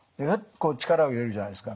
こう力を入れるじゃないですか。